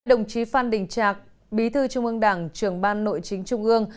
đồng chí phan đình trạc bí thư trung ương đảng trưởng ban nội chính trung ương